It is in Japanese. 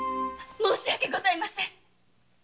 申し訳ございません。